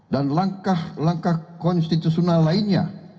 langkah langkah konstitusional lainnya